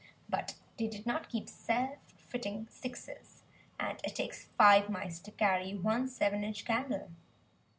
But they did not keep "self fitting sixes"; and it takes five mice to carry one seven inch candle.